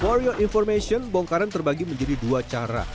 for your information bongkaran terbagi menjadi dua cara